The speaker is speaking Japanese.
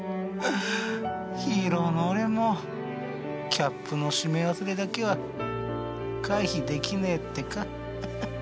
ヒーローの俺もキャップの閉め忘れだけは回避できねえってかハハ。